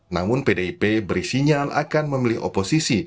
namun pdip beri sinyal akan memilih oposisi